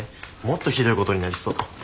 もっとひどいことになりそう。